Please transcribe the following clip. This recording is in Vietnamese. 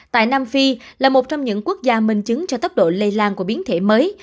tại nam phi là một trong những quốc gia minh chứng cho tốc độ lây lan của biến thể mới